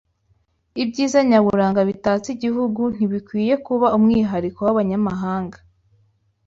Ibyiza nyaburanga bitatse igihugu ntibikwiye kuba umwihariko w’abanyamahanga